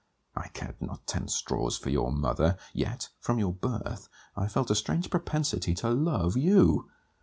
I cared not ten straws for your mother; yet, from your birth, I felt a strange propensity to love you.